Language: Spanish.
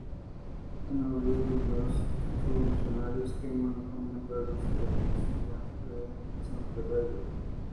En Oviedo los revolucionarios queman el convento de las benedictinas de San Pelayo.